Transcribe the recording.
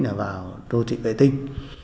đã vào đô thị vệ tinh